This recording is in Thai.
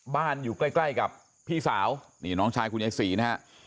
อยู่ใกล้ใกล้กับพี่สาวนี่น้องชายคุณยายศรีนะฮะ